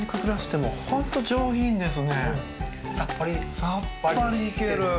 さっぱりいける。